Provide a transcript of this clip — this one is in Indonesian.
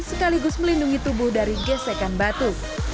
sekaligus melindungi tubuh dari gesekan batu